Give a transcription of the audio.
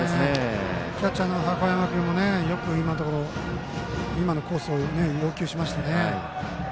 キャッチャーの箱山君もよく今のコースを要求しましたね。